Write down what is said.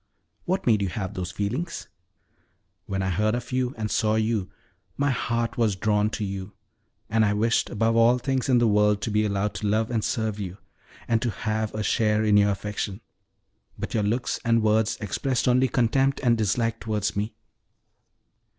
"What made you have those feelings?" "When I heard of you, and saw you, my heart was drawn to you, and I wished above all things in the world to be allowed to love and serve you, and to have a share in your affection; but your looks and words expressed only contempt and dislike towards me.